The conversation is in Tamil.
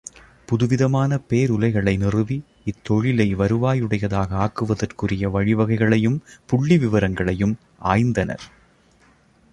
புதுவிதமான பேருலை களை நிறுவி இத்தொழிலை வருவாயுடையதாக ஆக்குவதற்குரிய வழிவகைகளையும் புள்ளிவிவரங்களையும் ஆய்ந்தனர்.